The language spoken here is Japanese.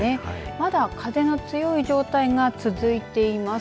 まだ風の強い状態が続いています。